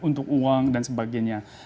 untuk uang dan sebagainya